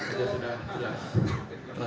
itu sudah jelas